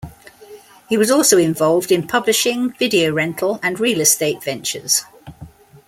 He was also involved in publishing, video rental, and real estate ventures.